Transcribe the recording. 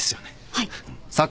はい。